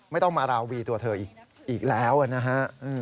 ไม่ต้องมาราวีตัวเธออีกแล้วนะฮะ